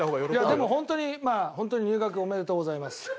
でもホントにホントに入学おめでとうございます。